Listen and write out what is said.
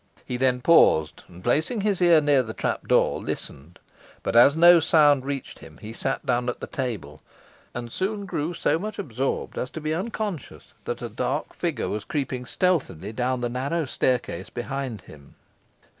He then paused, and placing his ear near the trapdoor, listened, but as no sound reached him, he sat down at the table, and soon grew so much absorbed as to be unconscious that a dark figure was creeping stealthily down the narrow staircase behind him.